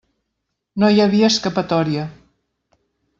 No hi havia escapatòria.